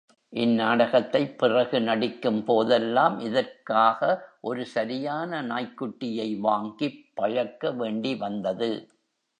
இந் நாடகத்தைப் பிறகு நடிக்கும் போதெல்லாம் இதற்காக ஒரு சரியான நாய்க்குட்டியை வாங்கிப் பழக்க வேண்டி வந்தது.